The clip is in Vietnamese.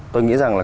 tôi nghĩ rằng là